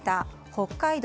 北海道